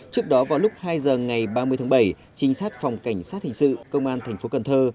trước đó vào lúc hai h ngày ba mươi bảy chính sát phòng cảnh sát hình sự công an thành phố cần thơ